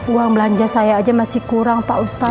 uang belanja saya aja masih kurang pak ustadz